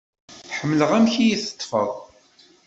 Ḥemmleɣ amek i yi-teṭfeḍ.